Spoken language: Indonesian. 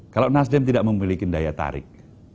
kalau nasdem tidak memiliki daya tarik